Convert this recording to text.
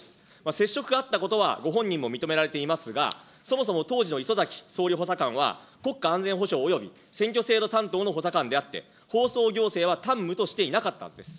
接触があったことはご本人も認められていますが、そもそも当時の礒崎総理補佐官は国家安全保障および選挙制度担当の補佐官であって、放送行政は担務としていなかったはずです。